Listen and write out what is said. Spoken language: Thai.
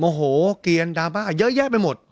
โอ้โหเกลียนดราม่าเยอะแยะไปหมด